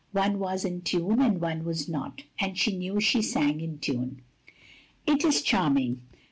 One was in tune, and one was not; and she knew she sang in tune. "It is charming.